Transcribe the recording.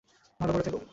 ভালো করে থেকো।